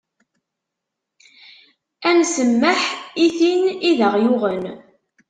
Ad n-smmeḥ i tin i d aɣ-yuɣen.